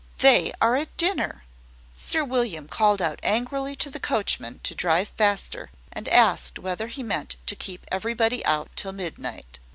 they are at dinner!" Sir William called out angrily to the coachman to drive faster, and asked whether he meant to keep everybody out till midnight.